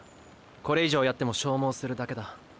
これ以上やっても消耗するだけだ。